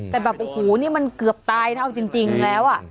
แต่แบบโอ้โหนี่มันเกือบตายนะเอาจริงแล้ว